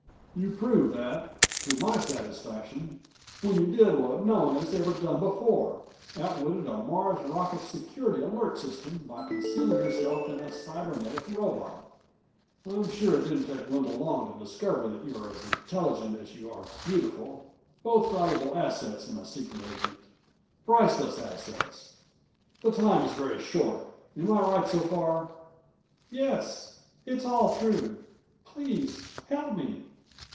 "You proved that, to my satisfaction, when you did what no one has ever done before outwitted a Mars' rocket security alert system by concealing yourself in a cybernetic robot. I'm sure it didn't take Wendel long to discover that you are as intelligent as you are beautiful both valuable assets in a secret agent. Priceless assets. The time is very short. Am I right so far?" "Yes ... it's all true. Please ... help me!"